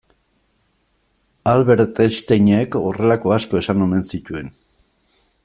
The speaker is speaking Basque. Albert Einsteinek horrelako asko esan omen zituen.